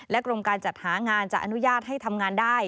กรมการจัดหางานจะอนุญาตให้ทำงานได้